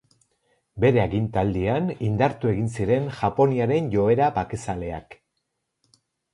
Bere agintaldian, indartu egin ziren Japoniaren joera bakezaleak.